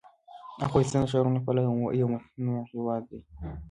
افغانستان د ښارونو له پلوه یو متنوع هېواد دی.